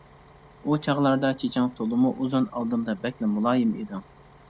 ئۇ چاغلاردا چېچىڭ تولىمۇ ئۇزۇن، ئالدىمدا بەكلا مۇلايىم ئىدىڭ.